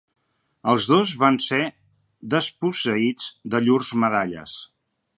Els dos van ser desposseïts de llurs medalles.